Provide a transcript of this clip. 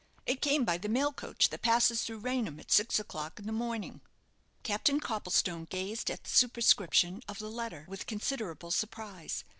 "It came by the mail coach that passes through Raynham at six o'clock in the morning." Captain Copplestone gazed at the superscription of the letter with considerable surprise.